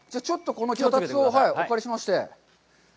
脚立をお借りしまして。